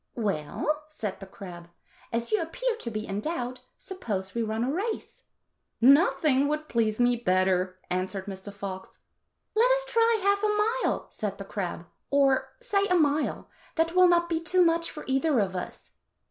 "Well," said the crab, "as you appear to be in doubt, suppose we run a race." " Nothing would please me better," answered Mr. Fox. " Let us try half a mile," said the crab, " or, say, a mile ; that will not be too much for either of us."